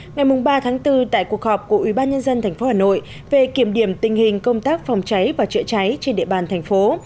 ngày ba bốn tại cuộc họp của ubnd tp hà nội về kiểm điểm tình hình công tác phòng cháy và chữa cháy trên địa bàn thành phố